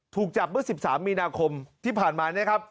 ถูกจับเมื่อ๑๓มีนาคมที่ผ่านมาเนี่ยครับ